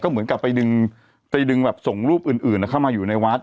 เหมือนกับไปดึงแบบส่งรูปอื่นเข้ามาอยู่ในวัด